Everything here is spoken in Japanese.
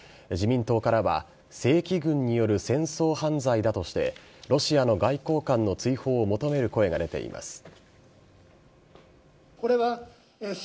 自民党からは正規軍による戦争犯罪だとしてロシアの外交官の追放を求める声が出ています。